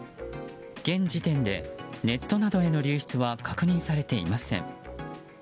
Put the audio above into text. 現時点で、ネットなどへの流出は確認されていません。